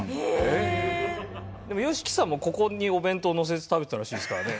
でもＹＯＳＨＩＫＩさんもここにお弁当をのせて食べてたらしいですからね。